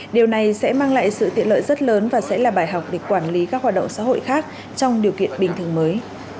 điều này sẽ mang lại sự tiện lợi rất lớn và sẽ là bài học để quản lý các hoạt động xã hội khác trong điều kiện bình thường mới